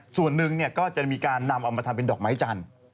ส่วนหนึ่งเนี่ยก็จะนำมาทำเป็นดอกไม้จันทร์